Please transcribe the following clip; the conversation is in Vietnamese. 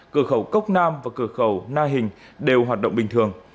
cửa khẩu cốc nam và cửa khẩu na hình đều hoạt động bình thường